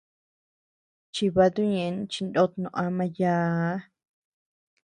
Chibatu ñéʼen chinót no ama yââ.